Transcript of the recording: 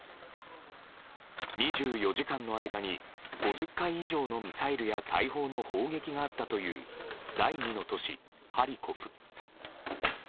２４時間の間に５０回以上のミサイルや大砲の砲撃があったという第２の都市ハリコフ。